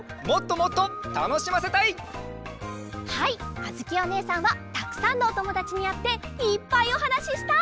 あづきおねえさんはたくさんのおともだちにあっていっぱいおはなししたい！